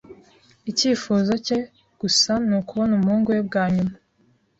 Icyifuzo cye gusa ni ukubona umuhungu we bwa nyuma.